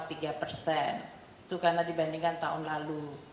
itu karena dibandingkan tahun lalu